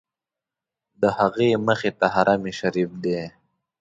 د هغې مخې ته حرم شریف دی.